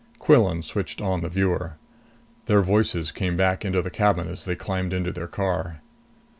Quillan switched on the viewer. Their voices came back into the cabin as they climbed into their car.